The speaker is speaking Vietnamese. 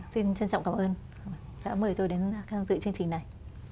xin trân trọng cảm ơn đã mời tôi đến giới thiệu chương trình này